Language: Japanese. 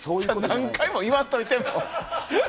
何回も言わんといて。